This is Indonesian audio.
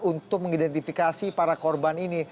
untuk mengidentifikasi para korban ini